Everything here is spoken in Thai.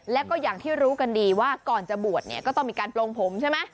แล้วก็อย่างที่รู้กันดีว่าก่อนจะบวชเนี่ยก็ต้องมีการโปรงผมใช่ไหม